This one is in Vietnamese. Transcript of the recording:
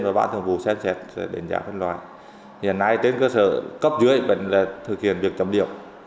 và bán thường vụ sẽ đánh giá phân loại hiện nay trên cơ sở cấp dưới vẫn là thực hiện việc chấm điệu